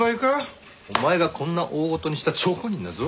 お前がこんな大事にした張本人だぞ。